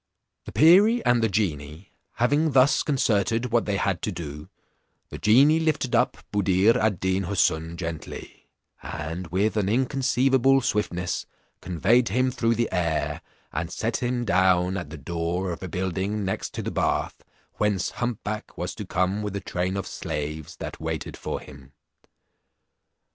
The perie and the genie having thus concerted what they had to do, the genie lifted up Buddir ad Deen Houssun gently, and with an inconceivable swiftness conveyed him through the air and set him down at the door of a building next to the bath, whence hump back was to come with a train of slaves that waited for him.